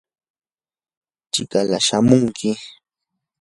chikala shamunki.